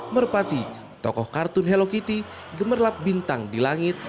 merpati tokoh kartun hello kitty gemerlap bintang di langit